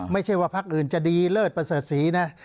ไม่ใช่ว่าพักอื่นจะดีเลิศประเสริฐศรีนะ